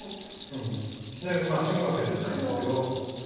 で死ぬわけじゃないですけど。